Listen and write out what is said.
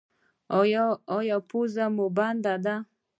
ایا پوزه مو بنده ده؟